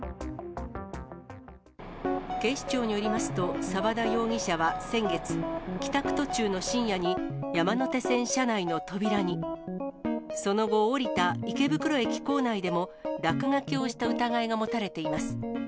警視庁によりますと、沢田容疑者は先月、帰宅途中の深夜に、山手線車内の扉に、その後、降りた池袋駅構内でも、落書きをした疑いが持たれています。